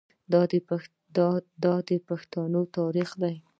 دا د پښتنو تاریخ دی.